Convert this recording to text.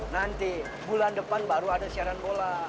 nanti bulan depan baru ada siaran bola